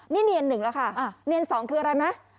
นี่เนียนหนึ่งแล้วค่ะเนียน๒คืออะไรไหม